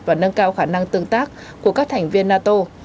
và nâng cao khả năng tương tác của các thành viên nato